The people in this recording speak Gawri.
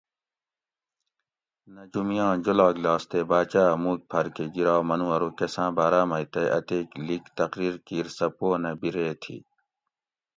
"نجومی آں جولاگ لاس تے باچا ھہ موک پھر کہۤ گیرا منو ارو "" کساۤں باۤراۤ مئ تئ اتیک لیگ تقریر کیر سہ پو نہ بیرے تھی"""